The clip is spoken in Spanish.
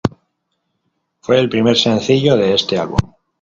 Fue el primer sencillo de este álbum.